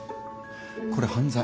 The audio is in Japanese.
これ犯罪。